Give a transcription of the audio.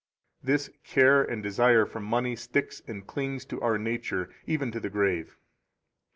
This [care and desire for money] sticks and clings to our nature, even to the grave.